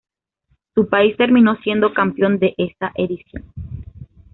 Su país terminó siendo campeón de esa edición.